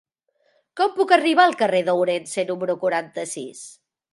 Com puc arribar al carrer d'Ourense número quaranta-sis?